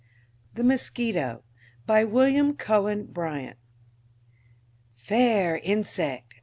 THE MOSQUITO BY WILLIAM CULLEN BRYANT Fair insect!